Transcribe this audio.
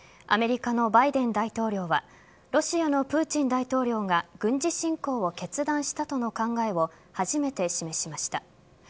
アメリカのバイデン大統領はロシアのプーチン大統領が軍事侵攻を決断したとの考えを初めて示しました。